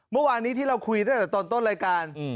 เมื่อวานี้ที่เราคุยด้วยต่นรายการ